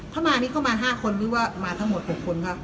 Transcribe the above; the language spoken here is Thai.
ถ้ามานี่เข้ามา๕คนหรือว่ามาทั้งหมด๖คนครับ